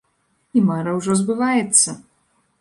І мара ўжо збываецца!